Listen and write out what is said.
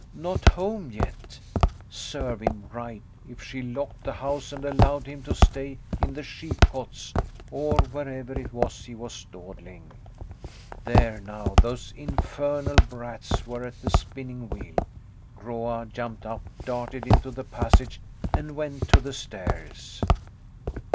Not home yet! Serve him right if she locked the house and allowed him to stay in the sheepcotes, or wherever it was he was dawdling. There now, those infernal brats were at the spinning wheel. Groa jumped up, darted into the passage, and went to the stairs.